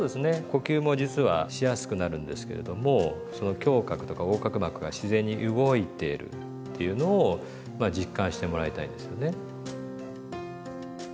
呼吸も実はしやすくなるんですけれどもその胸郭とか横隔膜が自然に動いてるっていうのをまあ実感してもらいたいんですよね。